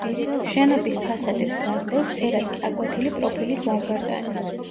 შენობის ფასადებს გასდევს ცერად წაკვეთილი პროფილის ლავგარდანი.